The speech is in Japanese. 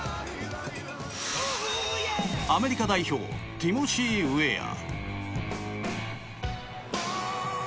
アメリカ代表ティモシー・ウェア。